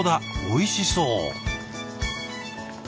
おいしそう。